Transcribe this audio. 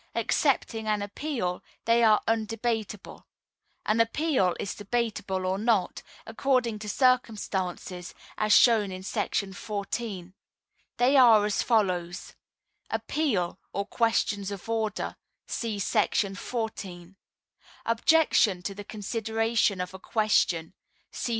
Excepting an Appeal, they are undebatable; an Appeal is debatable or not, according to circumstances, as shown in § 14. They are as follows: Appeal (or Questions of Order) ……………………… See § 14. Objection to the Consideration of a Question ………….